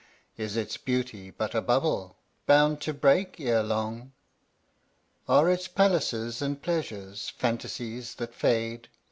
Is its beauty but a bubble Bound to break ere long? Are its palaces and pleasures Fantasies that fade?